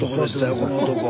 この男は。